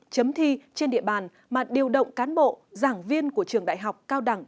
chấm thi trên địa bàn mà điều động cán bộ giảng viên của trường đại học cao đẳng